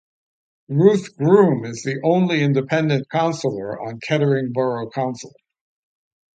Ruth Groome is the only independent councillor on Kettering Borough Council.